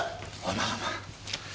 まあまあ。